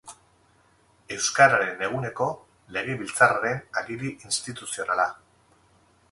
Euskararen eguneko legebiltzarraren agiri instituzionala.